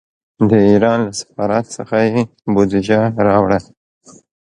د ایران له سفارت څخه یې بودجه راوړه.